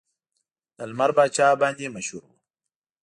د لمر پاچا باندې مشهور و.